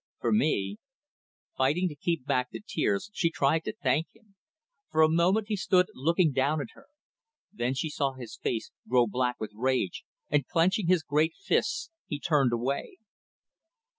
For me " Fighting to keep back the tears, she tried to thank him. For a moment he stood looking down at her. Then she saw his face grow black with rage, and, clenching his great fists, he turned away.